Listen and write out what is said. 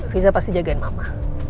riza pasti jagain mama